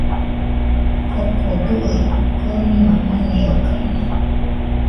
Koko bɨe, konima meniokaina